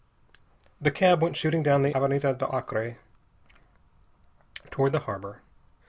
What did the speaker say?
The cab went shooting down the Avenida do Acre toward the harbor.